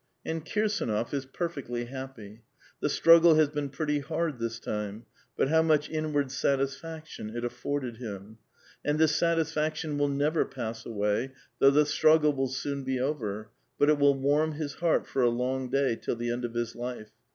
And Kirsdnof is perfectly happy. The struggle has been pretty hard this time, but how much inward satisfaction it afforded him ! and this satisfaction will never pass away, though the struggle will soon be over ; but it will warm his heart for a long day, till the end of his life.